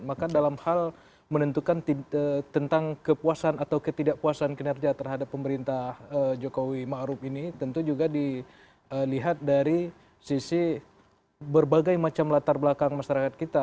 maka dalam hal menentukan tentang kepuasan atau ketidakpuasan kinerja terhadap pemerintah jokowi ⁇ maruf ⁇ ini tentu juga dilihat dari sisi berbagai macam latar belakang masyarakat kita